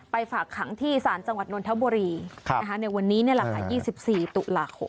ไปฝากขังที่ศาลจังหวัดนวลเท้าบรีในวันนี้๒๔ตุลาโข